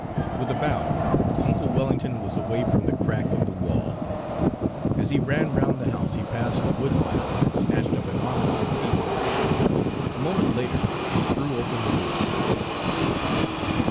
With a bound, uncle Wellington was away from the crack in the wall. As he ran round the house he passed the wood pile and snatched Page 268 up an armful of pieces. A moment later he threw open the door.